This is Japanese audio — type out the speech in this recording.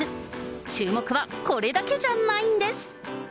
注目はこれだけじゃないんです。